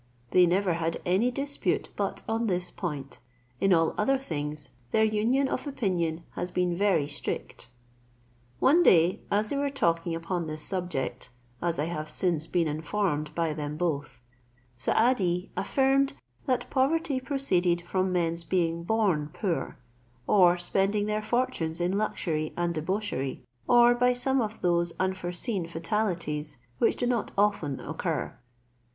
They never had any dispute but on this point; in all other things their union of opinion has been very strict. One day as they were talking upon this subject, as I have since been informed by them both, Saadi affirmed, that poverty proceeded from men's being born poor, or spending their fortunes in luxury and debauchery, or by some of those unforeseen fatalities which do not often occur.